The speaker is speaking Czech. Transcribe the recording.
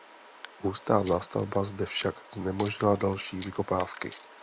Hustá zástavba zde však znemožnila další vykopávky.